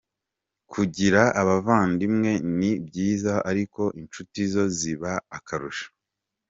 Kugira abavandimwe ni byiza, ariko inshuti zo ziba akarusho.